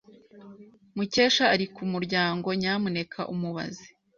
Mukesha ari ku muryango. Nyamuneka umubaze.